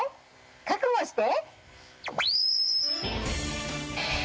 覚悟して。